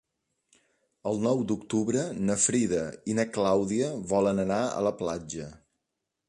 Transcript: El nou d'octubre na Frida i na Clàudia volen anar a la platja.